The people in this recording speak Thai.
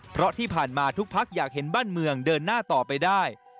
เพราะที่ผ่านมาทุกภักดิ์อยากเห็นบ้านเมืองเดินหน้าต่อไปได้